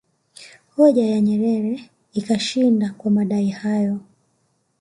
Hoja ya Nyerere ikashinda kwa madai hayo